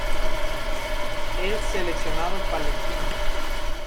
Es seleccionado Palestino.